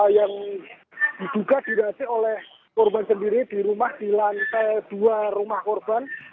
yang diduga dirasa oleh korban sendiri di rumah di lantai dua rumah korban